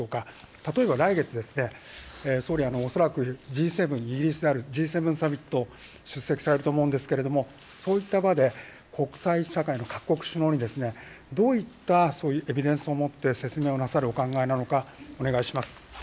例えば来月ですね、総理、恐らくＧ７、イギリスであるＧ７サミットに出席されると思うんですけれども、そういった場で、国際社会の各国首脳に、どういったエビデンスをもって説明をなさるお考えなのか、お願いします。